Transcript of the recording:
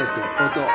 音。